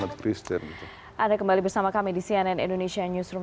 anda kembali bersama kami di cnn indonesia newsroom